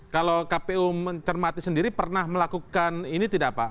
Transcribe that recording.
kalau kpu mencermati sendiri pernah melakukan ini tidak pak